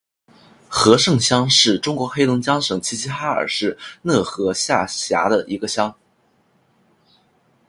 和盛乡是中国黑龙江省齐齐哈尔市讷河市下辖的一个乡。